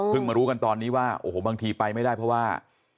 มารู้กันตอนนี้ว่าโอ้โหบางทีไปไม่ได้เพราะว่า